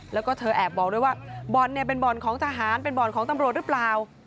แล้วก็เธอแอบบอกด้วยว่าบ่อนเนี่ยเป็นบ่อนของทหารเป็นบ่อนของตำรวจหรือเปล่า